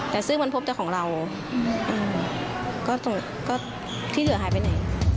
แต่ซึ่งมันพบแต่ของเราก็ที่เหลือหายไปไหน